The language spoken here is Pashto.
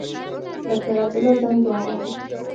ډاکټر عبدالله زنګ را ووهه.